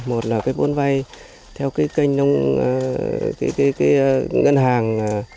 một là cái vốn vay theo cái kênh nông cái ngân hàng